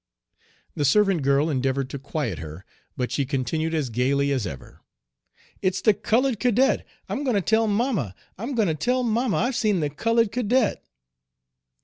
The servant girl endeavored to quiet her, but she continued as gayly as ever: "It's the colored cadet! I'm going to tell mamma. I'm going to tell mamma I've seen the colored cadet."